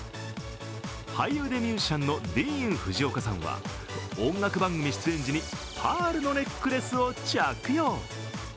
俳優でミュージシャンのディーン・フジオカさんは音楽番組出演時にパールのネックレスを着用。